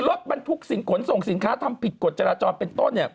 หรือรถบรรทุกสินขนส่งสินค้าทำผิดกฎจราจรเป็นต้น